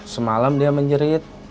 semalam dia menjerit